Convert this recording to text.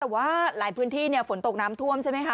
แต่ว่าหลายพื้นที่ฝนตกน้ำท่วมใช่ไหมคะ